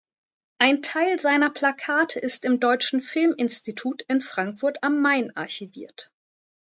Ein Teil seiner Plakate ist im Deutschen Filminstitut in Frankfurt am Main archiviert.